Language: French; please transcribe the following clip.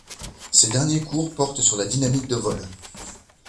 Ses derniers cours portent sur la dynamique de vol.